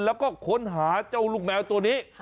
แล้วก็ค้นหาเจ้าลูกแมวตัวนี้